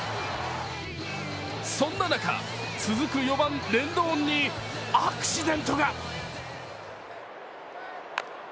そんな中、続く４番・レンドーンにアクシデントが。